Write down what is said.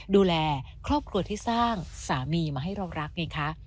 ดูแลครอบครัวที่สร้างสามีมาให้เรารักไงคะ